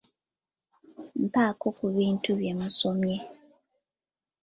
Mpaako ku bintu bye musomye.